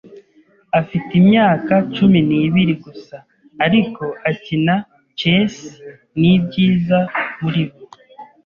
Afite imyaka cumi n'ibiri gusa, ariko akina chess nibyiza muri bo.